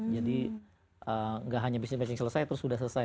jadi gak hanya business matching selesai terus sudah selesai